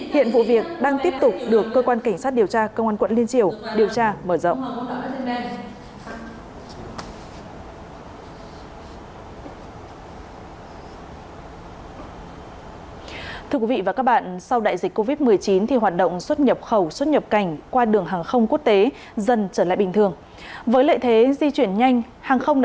hiện vụ việc đang tiếp tục được cơ quan cảnh sát điều tra công an quận liên triều điều tra mở rộng